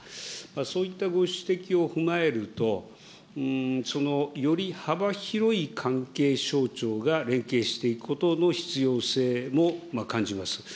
そういったご指摘を踏まえると、そのより幅広い関係省庁が連携していくことの必要性も感じます。